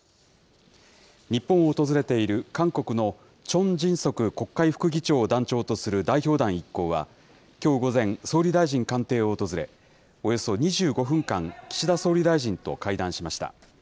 日本を訪れている韓国のチョン・ジンソク国会副議長を団長とする代表団一行は、きょう午前、総理大臣官邸を訪れ、およそ２５分間、岸田総理大臣と会談しました。